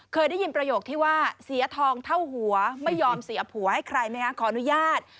เคยได้ยินประโยคที่ว่าเสียทองเท่าหัวไม่ยอมเสียผัวให้ใครไหมคะขออนุญาต